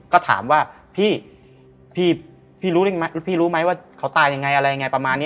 ก็ถามว่าพี่รู้ไหมว่าเขาตายยังไงอะไรยังไงประมาณนี้